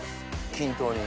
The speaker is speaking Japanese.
均等に。